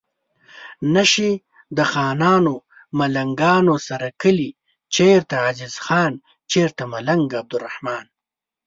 نه شي د خانانو ملنګانو سره کلي چرته عزیز خان چرته ملنګ عبدالرحمان